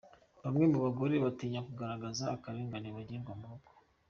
Bamwe mu bagore batinya kugaragaza akarengane bagirirwa mu ngo